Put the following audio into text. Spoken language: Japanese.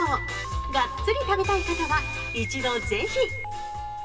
がっつり食べたい方は一度ぜひ。